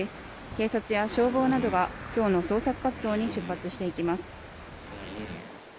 警察や消防などが今日の捜索活動に出発していきます。